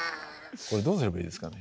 これどうすればいいですかね。